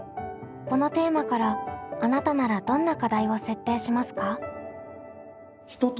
このテーマからあなたならどんな課題を設定しますか？